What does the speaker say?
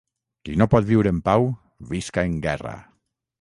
Qui no pot viure en pau, visca en guerra.